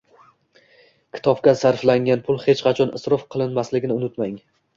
Kitobga sarflangan pul hech qachon isrof qilinmasligini unutmang!